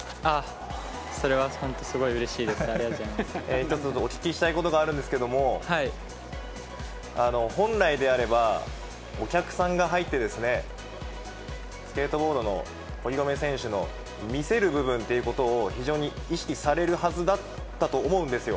１つ、お聞きしたいことがあるんですけども、本来であれば、お客さんが入ってですね、スケートボードの堀米選手の見せる部分っていうことを、非常に意識されるはずだったと思うんですよ。